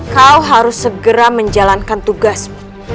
kau harus segera menjalankan tugasmu